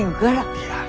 いや。